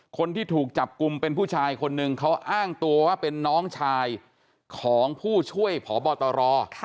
คนที่ถูกจับกลุ่มเป็นผู้ชายคนหนึ่งเขาอ้างตัวว่าเป็นน้องชายของผู้ช่วยพบตร